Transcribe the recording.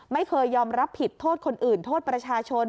ไม่เคยยอมรับผิดโทษคนอื่นโทษประชาชน